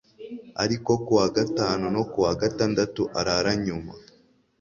ariko ku wa gatanu no ku wa gatandatu arara nyuma